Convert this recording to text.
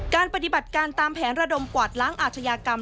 การปฏิบัติการตามแผนระดมกวาดล้างอาชญากรรม